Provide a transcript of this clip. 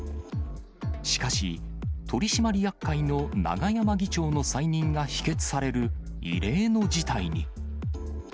しかし、取締役会の永山議長の再任が否決される、異例の事態に。